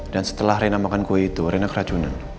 dan setelah rena makan kue itu rena keracunan